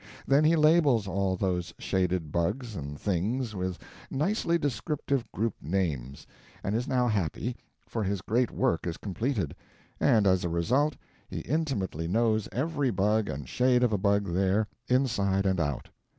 Then he labels all those shaded bugs and things with nicely descriptive group names, and is now happy, for his great work is completed, and as a result he intimately knows every bug and shade of a bug there, inside and out.